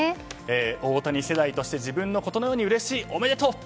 大谷世代として自分のことのようにうれしいおめでとう。